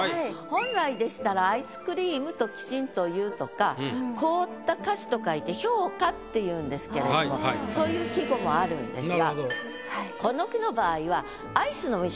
本来でしたら「アイスクリーム」ときちんと言うとか「凍った菓子」と書いて「氷菓」っていうんですけれどもそういう季語もあるんですがこの句の場合は「アイスの実」